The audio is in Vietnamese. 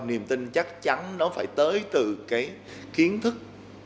niềm tin chắc chắn nó phải tới từ cái kiến thức